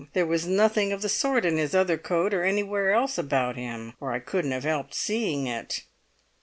There was nothing of the sort in his other coat, or anywhere else about him, or I couldn't have helped seeing it."